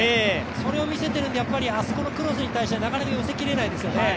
それを見せているので、あそこのクロスに対してなかなかいけないですよね。